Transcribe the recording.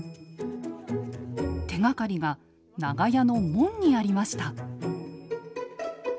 手がかりが長屋の門にありました。